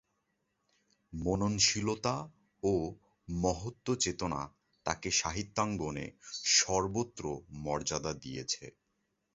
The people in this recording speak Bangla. মননশীলতা ও মহত্ত্বচেতনা তাঁকে সাহিত্যাঙ্গনে স্বতন্ত্র মর্যাদা দিয়েছে।